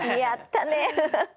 やったね！